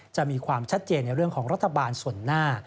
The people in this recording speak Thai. จะมีความชัดเจนในเรื่องของรัฐบาลส่วนหน้า